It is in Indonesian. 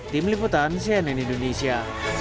tim liputan cnn indonesia